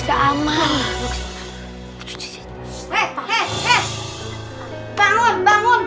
jangan ambil kupon aku